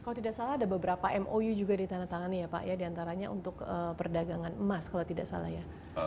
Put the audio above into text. kalau tidak salah ada beberapa mou juga ditandatangani ya pak ya diantaranya untuk perdagangan emas kalau tidak salah ya